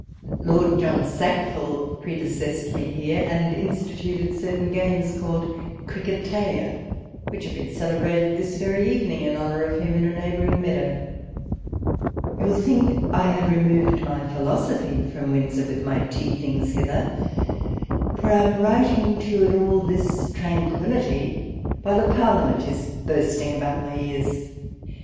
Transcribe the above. Lord John Sack ville predecesscd me here, and instituted certain games called cricket alia, which have been cele brated this very evening in honour of him in a neighbouring meadow. You will think I have removed my philosophy from Windsor with my tea things hither ; for I am writing to you in all this tranquillity, while a Parliament is bursting about my ears.